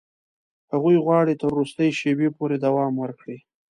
هغوی غواړي تر وروستي شېبې پورې دوام ورکړي.